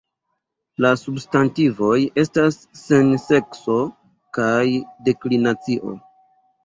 La substantivoj estas sen sekso kaj deklinacio.